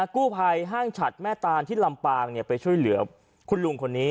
กู้ภัยห้างฉัดแม่ตานที่ลำปางไปช่วยเหลือคุณลุงคนนี้